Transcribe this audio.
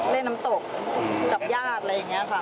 เล่นน้ำตกกับญาติอะไรอย่างนี้ค่ะ